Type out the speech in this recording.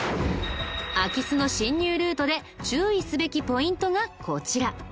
空き巣の侵入ルートで注意すべきポイントがこちら。